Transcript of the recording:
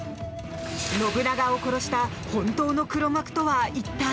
信長を殺した本当の黒幕とは一体？